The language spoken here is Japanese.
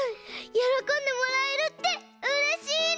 よろこんでもらえるってうれしいね！